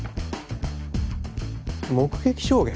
目撃証言？